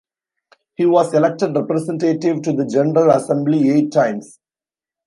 He was elected Representative to the General Assembly eight times.